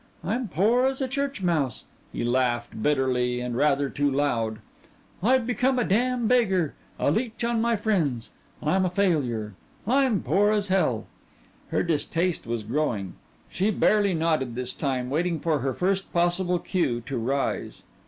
I'm poor as a church mouse." He laughed, bitterly and rather too loud. "I've become a damn beggar, a leech on my friends. I'm a failure. I'm poor as hell." Her distaste was growing. She barely nodded this time, waiting for her first possible cue to rise.